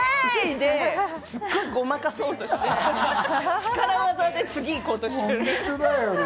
ですごいごまかそうとして力技で次、行こうとしている。